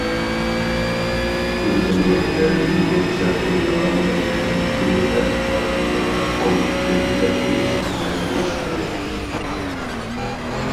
پۈتكۈل جەمئىيەتتە جۇڭگوچە پۇل مۇئامىلە مەدەنىيىتىنى ئەۋج ئالدۇرىدىغان قويۇق كەيپىياتنى شەكىللەندۈرۈش كېرەك.